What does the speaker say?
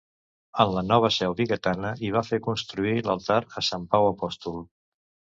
En la nova seu vigatana hi va fer construir l’altar a sant Pau apòstol.